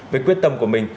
với quyết tâm của mình